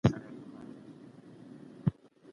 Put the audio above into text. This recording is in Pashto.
د ناروغۍ نښې د بدن په پاړسوب او کمزورۍ څرګندېږي.